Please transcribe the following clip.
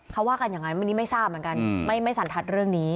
เขาว่ากันอย่างนั้นวันนี้ไม่ทราบเหมือนกันไม่สันทัศน์เรื่องนี้